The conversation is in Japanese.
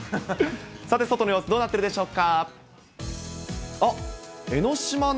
さて、外の様子、どうなっているでしょうか。